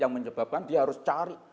yang menyebabkan dia harus cari